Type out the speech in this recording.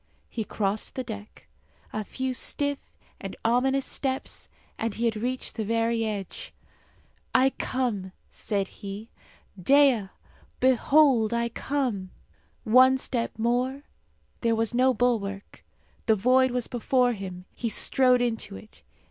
He crossed the deck. A few stiff and ominous steps, and he had reached the very edge. "I come," said he; "Dea, behold, I come!" One step more; there was no bulwark; the void was before him; he strode into it.